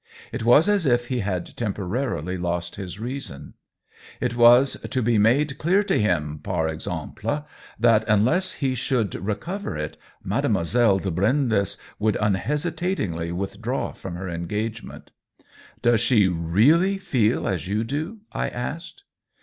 It was as if he had temporarily lost his reason. It was to be made clear to him, par exemple^ that unless he should re cover it Mademoiselle de Brindes would unhesitatingly withdraw from her engage ment. " Does she really feel as you do ?" I asked.